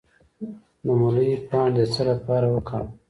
د مولی پاڼې د څه لپاره وکاروم؟